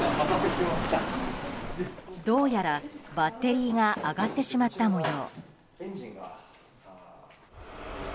どうやら、バッテリーが上がってしまった模様。